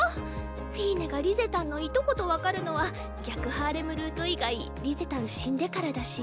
フィーネがリゼたんのいとこと分かるのは逆ハーレムルート以外リゼたん死んでからだし。